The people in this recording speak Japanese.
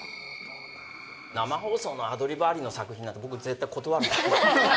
生放送のアドリブありの作品なんて、僕、絶対に断る。